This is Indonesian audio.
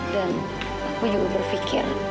dan aku juga berpikir